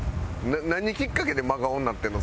何きっかけで真顔になってるの？